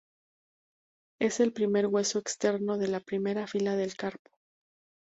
Es el primer hueso externo de la primera fila del carpo.